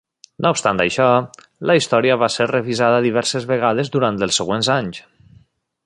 No obstant això, la història va ser revisada diverses vegades durant els següents anys.